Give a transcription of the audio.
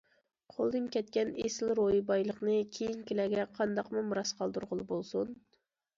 قولدىن كەتكەن ئېسىل روھىي بايلىقنى كېيىنكىلەرگە قانداقمۇ مىراس قالدۇرغىلى بولسۇن؟!